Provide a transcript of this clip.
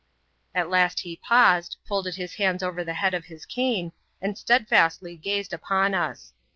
At last he paused, folded his hands over the head of his cane, and steadfastly gazed upon us.